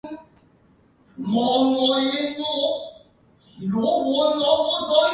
It served as the international lingua franca of the Hanseatic League.